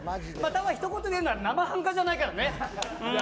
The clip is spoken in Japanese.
ひと言で言うなら生半可じゃないからね。